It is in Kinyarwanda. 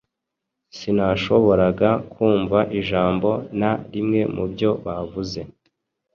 Sinashoboraga kumva ijambo na rimwe mubyo bavuze.